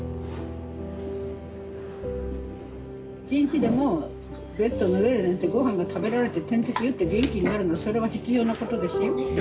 １日でもベッドの上で寝てごはんが食べられて点滴打って元気になるのそれは必要なことですよ。